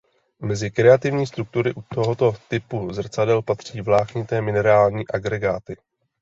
Mezi kreativní struktury u tohoto typu zrcadel patří vláknité minerální agregáty.